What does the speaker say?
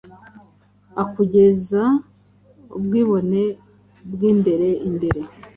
aKugeza ubwibone bwimbere imbere